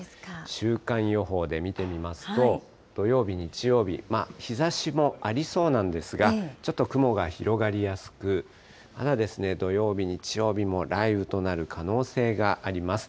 週間予報で見てみますと、土曜日、日曜日、日ざしもありそうなんですが、ちょっと雲が広がりやすく、土曜日、日曜日も雷雨となる可能性があります。